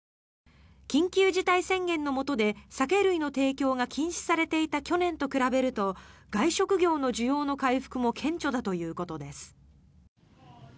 緊急事態宣言のもとで酒類の提供が禁止されていた去年と比べると外食業の需要の回復も顕著だということです。